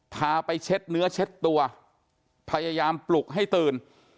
พาไปเช็ดเนื้อเช็ดตัวพยายามปลุกให้ตื่น